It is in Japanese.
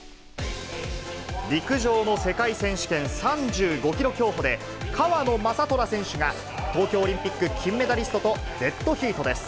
陸上の世界選手権３５キロ競歩で、川野将虎選手が、東京オリンピック金メダリストとデッドヒートです。